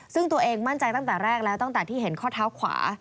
ซึ่งตัวเองมั่นใจตั้งแต่แรกแล้วตั้งแต่ที่เห็นข้อเท้าขวา